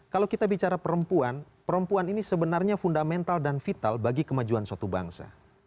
kalau kita bicara perempuan perempuan ini sebenarnya fundamental dan vital bagi kemajuan suatu bangsa